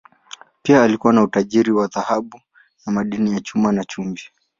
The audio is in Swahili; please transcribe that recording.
Pia walikuwa na utajiri wa dhahabu na madini ya chuma, na chumvi.